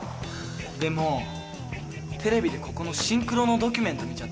でもテレビでここのシンクロのドキュメント見ちゃってさ。